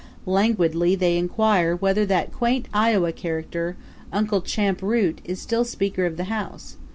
Languidly they inquire whether that quaint Iowa character, Uncle Champ Root, is still Speaker of the House?